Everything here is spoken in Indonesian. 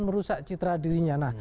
merusak citra dirinya